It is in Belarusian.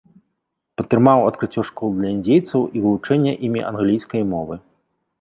Падтрымаў адкрыццё школ для індзейцаў і вывучэнне імі англійскай мовы.